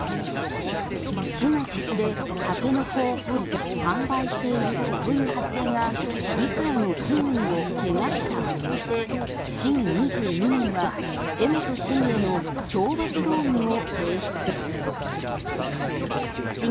市の土地でタケノコを掘り販売しているという発言が議会の品位を汚したとして市議２２人は江本市議への懲罰動議を提出。